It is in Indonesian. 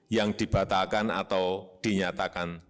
yang dibatalkan atau dinyatakan